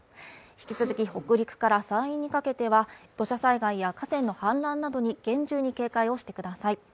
引き続き北陸から山陰にかけては土砂災害や河川の氾濫などに厳重に警戒をしてください。